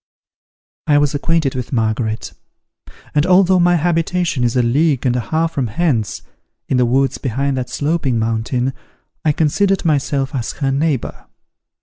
I was acquainted with Margaret: and, although my habitation is a league and a half from hence, in the woods behind that sloping mountain, I considered myself as her neighbour.